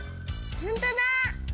ほんとだ！